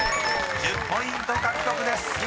１０ポイント獲得です］